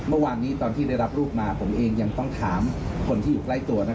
เมื่อวานนี้ตอนที่ได้รับลูกมาผมเองยังต้องถามคนที่อยู่ใกล้ตัว